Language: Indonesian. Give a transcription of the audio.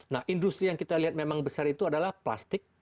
nah industri yang kita lihat memang besar itu adalah plastik